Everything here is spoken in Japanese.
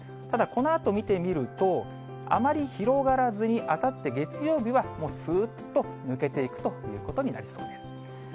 ただ、このあと見てみると、あまり広がらずに、あさって月曜日は、もうすーっと抜けていくということになりそうです。